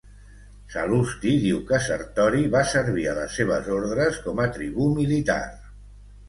Sal·lusti diu que Sertori va servir a les seves ordres com a tribú militar.